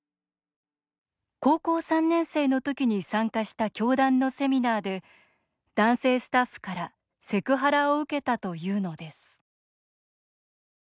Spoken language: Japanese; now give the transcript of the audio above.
高校３年生の時に参加した教団のセミナーで男性スタッフからセクハラを受けたというのです。